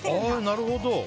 なるほど。